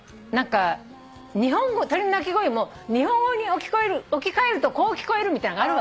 鳥の鳴き声も日本語に置き換えるとこう聞こえるみたいなのがある。